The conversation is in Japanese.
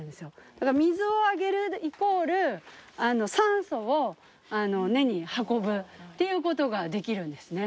だから水をあげるイコール酸素を根に運ぶっていうことができるんですね